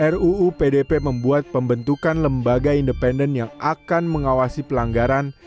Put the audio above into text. ruu pdp membuat pembentukan lembaga independen yang akan mengawasi pelanggaran